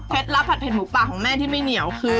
ลับผัดเด็ดหมูป่าของแม่ที่ไม่เหนียวคือ